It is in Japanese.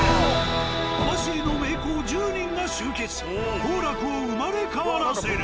網走の名工１０人が集結「幸楽」を生まれ変わらせる。